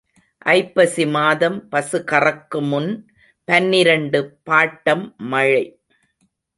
ஐப்பசி மாதம் பசு கறக்குமுன் பன்னிரண்டு பாட்டம் மழை.